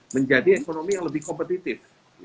menjadi ekonomi yang lebih kompetitif